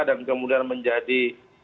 dan kemudian menjadi